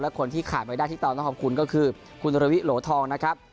คนที่ขาดไม่ได้ที่ตอนต้องขอบคุณก็คือคุณรวิโหลทองนะครับ